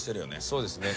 そうですね。